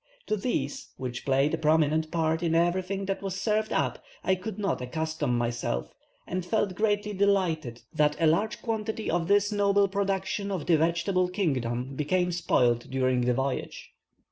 To these, which played a prominent part in everything that was served up, I really could not accustom myself, and felt greatly delighted that a large quantity of this noble production of the vegetable kingdom became spoilt during the voyage.